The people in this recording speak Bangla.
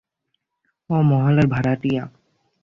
ও মহলের ভাড়াটিয়া।